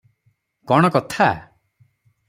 କଣ କଥା?